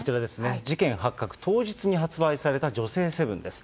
事件発覚当日に発売された女性セブンです。